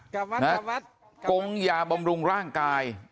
กงยาบำรุงร่างกาย